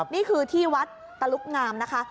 นี่คือที่วัดตะลุกงามนะคะ